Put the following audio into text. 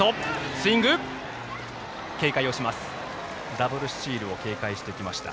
ダブルスチールを警戒してきました。